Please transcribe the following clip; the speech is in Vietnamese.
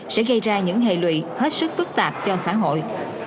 sẽ gây ra những hệ lụy hết sức phức tạp cho xã hội